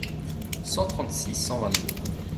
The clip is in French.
cent trente-six cent vingt-deux.